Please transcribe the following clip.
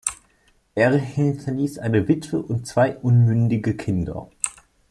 Er hinterließ eine Witwe und zwei unmündige Kinder.